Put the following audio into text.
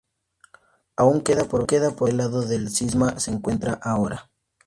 Aún queda por ver en que lado del cisma se encuentra ahora.